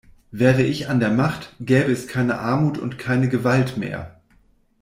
Wäre ich an der Macht, gäbe es keine Armut und keine Gewalt mehr!